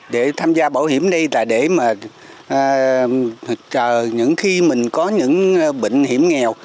để tham gia bảo hiểm đây là để mà chờ những khi mình có những bệnh hiểm nghèo